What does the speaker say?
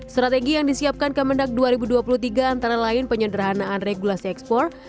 strategi yang disiapkan kemendak dua ribu dua puluh tiga antara lain penyederhanaan regulasi ekspor